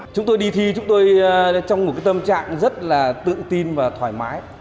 chúng tôi đi thi chúng tôi trong một tâm trạng rất là tự tin và thoải mái